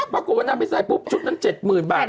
บอกโกงว่านั่นไปใส่ชุดนั้น๗๐๐๐๐บาท